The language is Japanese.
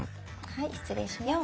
はい失礼します。